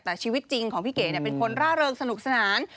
แต่ชีวิตจริงของพี่เก๋เป็นคนร่าเริงสนุกสนาน